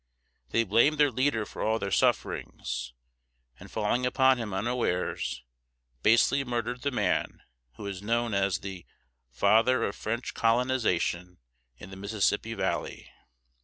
They blamed their leader for all their sufferings, and, falling upon him unawares, basely murdered the man who is known as the "father of French colonization in the Mississippi valley."